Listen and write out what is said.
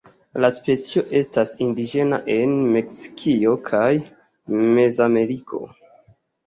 La specio estas indiĝena en Meksikio kaj Mezameriko.